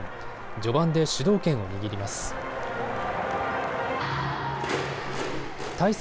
序盤で主導権を握ります。